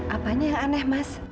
apanya yang aneh mas